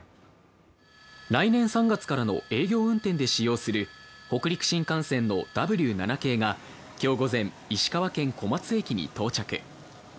来年３月からの営業運転で使用する北陸新幹線のＷ７系が今日午前、石川県小松駅に到着。